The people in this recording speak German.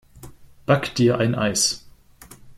Back dir ein Eis!